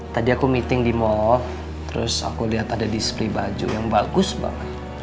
tadi aku meeting di mall terus aku lihat ada display baju yang bagus banget